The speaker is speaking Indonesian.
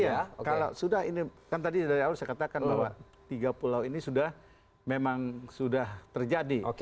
iya kalau sudah ini kan tadi dari awal saya katakan bahwa tiga pulau ini sudah memang sudah terjadi